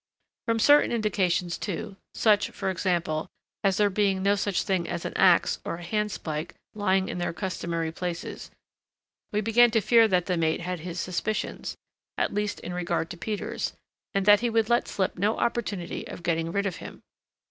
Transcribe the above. From certain indications, too—such, for example, as there being no such thing as an axe or a handspike lying in their customary places—we began to fear that the mate had his suspicions, at least in regard to Peters, and that he would let slip no opportunity of getting rid of him.